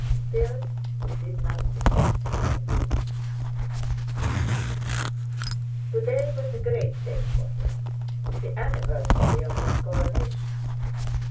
But still he did not begin the engagement. Today was a great day for him—the anniversary of his coronation.